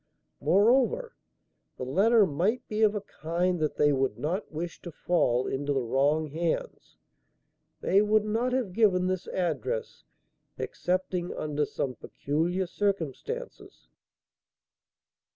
Moreover, the letter might be of a kind that they would not wish to fall into the wrong hands. They would not have given this address excepting under some peculiar circumstances."